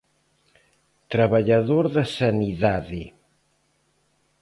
Traballador da sanidade.